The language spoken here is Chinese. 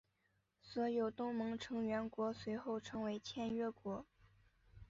所有东盟成员国随后成为签约国。